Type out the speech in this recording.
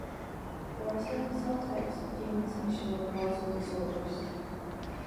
There are several subtypes of female sexual arousal disorders.